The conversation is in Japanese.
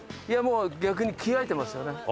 いやもう逆に着替えてますよね。